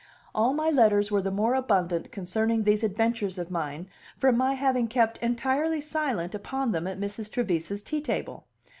All my letters were the more abundant concerning these adventures of mine from my having kept entirely silent upon them at Mrs. Trevise's tea table.